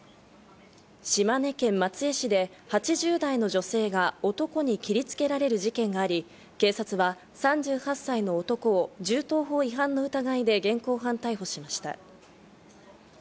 島根県松江市で８０代の女性が男に切りつけられる事件があり、警察は３８歳の男を銃刀法違反の疑いで現行犯逮捕しました。